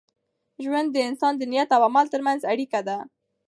ژوند د انسان د نیت او عمل تر منځ اړیکه ده.